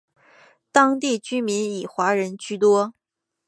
当地居民以华人居多。